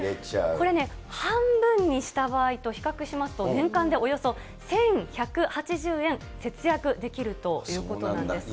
これね、半分にした場合と比較しますと、年間でおよそ１１８０円節約できるということなんです。